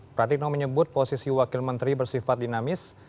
pratikno menyebut posisi wakil menteri bersifat dinamis